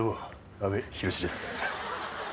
阿部寛です。